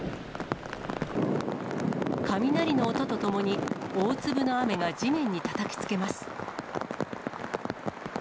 雷の音とともに大粒の雨が地面にたたきつけます。